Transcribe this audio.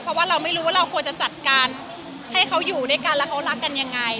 เพราะว่าเราไม่รู้ว่าเราควรจะจัดการให้เขาอยู่ด้วยกันแล้วเขารักกันยังไง